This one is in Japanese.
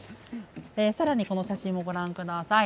さらに、この写真もご覧ください。